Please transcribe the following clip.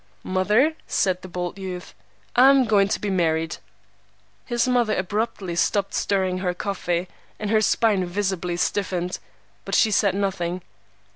"Mother," said the bold youth, "I'm going to be married." His mother abruptly stopped stirring her coffee, and her spine visibly stiffened, but she said nothing.